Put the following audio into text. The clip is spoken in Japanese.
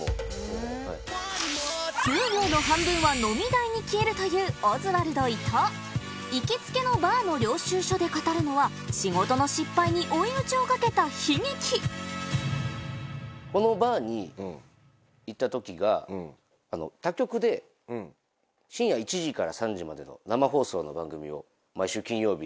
給料の半分は飲み代に消えるというオズワルド・伊藤行きつけのバーの領収書で語るのは仕事の失敗に追い打ちをかけた悲劇このバーに行った時が他局で深夜１時から３時までの生放送の番組を毎週金曜日。